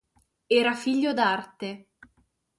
Era figlio d'arte.